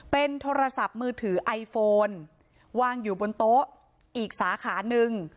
เป็นโทรศัพท์มือถือไอโฟนวางอยู่บนโต๊ะอีกสาขาหนึ่ง